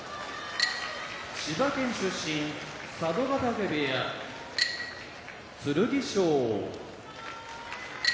千葉県出身佐渡ヶ嶽部屋剣翔東京都出身